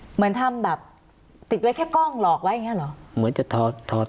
เหมือนทำแบบติดไว้แค่กล้องหลอกไว้อย่างเงี้เหรอเหมือนจะถอดถอด